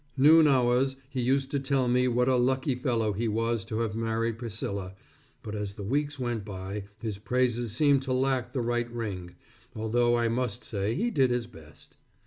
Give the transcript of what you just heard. Noon hours, he used to tell me what a lucky fellow he was to have married Priscilla, but as the weeks went by his praises seemed to lack the right ring, although I must say he did his best.